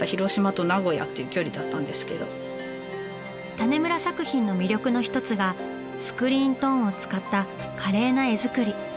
種村作品の魅力の１つがスクリーントーンを使った華麗な絵作り。